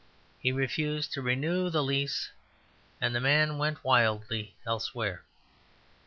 He refused to renew the lease; and the man went wildly elsewhere.